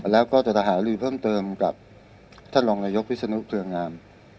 แล้วก็จะหาลือเพิ่มเติมกับท่านรองนายกวิศนุเกลืองาม